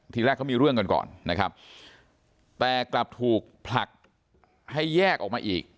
ทีแรกเขามีเรื่องกันก่อนนะครับแต่กลับถูกผลักให้แยกออกมาอีก